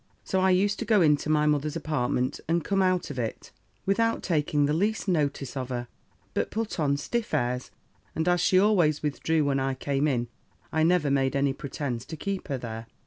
"So I used to go into my mother's apartment, and come out of it, without taking the least notice of her, but put on stiff airs; and as she always withdrew when I came in, I never made any pretence to keep her there.